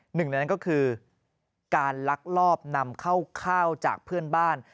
หนึ่งในนั้นก็คือการลักลอบนำเข้าข้าวจากเพื่อนบ้าน